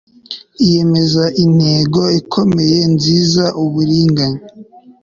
iyemeze intego, ikomeye, nziza, uburiganya